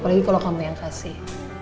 apalagi kalau kamu yang kasih